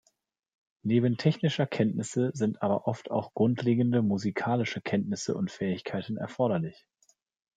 Neben technischer Kenntnisse sind aber oft auch grundlegende musikalische Kenntnisse und Fähigkeiten erforderlich.